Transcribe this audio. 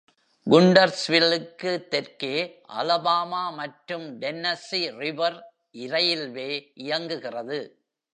குண்டர்ஸ்வில்லுக்கு தெற்கே அலபாமா மற்றும் Tennessee River railway இயங்குகிறது.